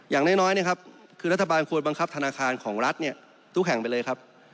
อย่างน้อยรัฐบาลควรบังคับธนาคารของรัฐทุกแห่งไปเลยครับ